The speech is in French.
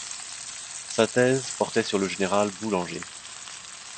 Sa thèse portait sur le général Boulanger.